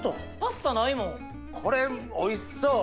これおいしそう。